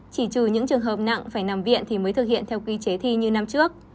chỉ trừ những trường hợp nặng phải nằm viện thì mới thực hiện theo quy chế thi như năm trước